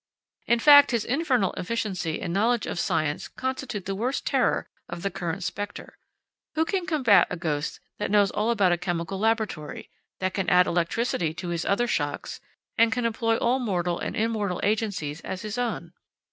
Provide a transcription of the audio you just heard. In fact, his infernal efficiency and knowledge of science constitute the worst terror of the current specter. Who can combat a ghost that knows all about a chemical laboratory, that can add electricity to his other shocks, and can employ all mortal and immortal agencies as his own?